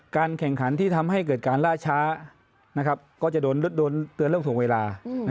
การแข่งขันที่ทำให้เกิดการล่าช้าก็จะโดนเรื่องถูกเวลา